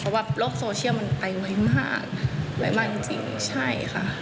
เพราะว่าโลกโซเชียลมันไปไวมากไวมากจริงใช่ค่ะ